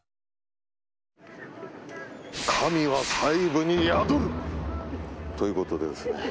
神は細部に宿る！ということで。